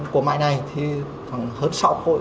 của máy này thì hơn sáu hội